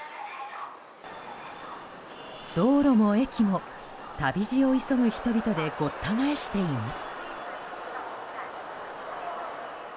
道路も駅も旅路を急ぐ人々でごった返しています。